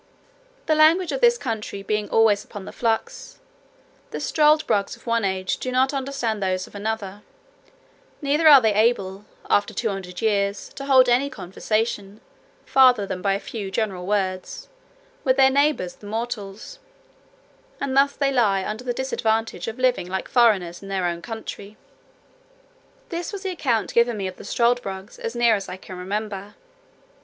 "The language of this country being always upon the flux, the struldbrugs of one age do not understand those of another; neither are they able, after two hundred years, to hold any conversation (farther than by a few general words) with their neighbours the mortals; and thus they lie under the disadvantage of living like foreigners in their own country." This was the account given me of the struldbrugs, as near as I can remember.